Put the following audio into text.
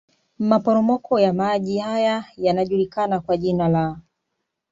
Maporomoko ya maji haya yanajulikana kwa jina la